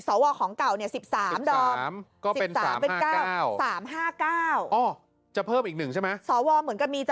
สอวรเหมือนจะเพิ่มจะเพิ่มอ่านอีก๑